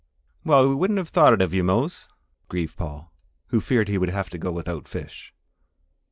"Well! we wouldn't have thought it of you, Mose," grieved Paul, who feared he would have to go without fish.